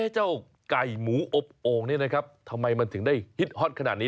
เจ้าไก่หมูอบโอ่งนี่นะครับทำไมมันถึงได้ฮิตฮอตขนาดนี้